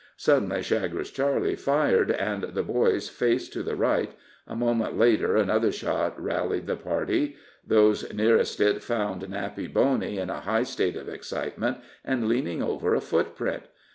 Suddenly Chagres Charley fired, and the boys faced to the right a moment later another shot rallied the party; those nearest it found Nappy Boney in a high state of excitement, and leaning over a foot print.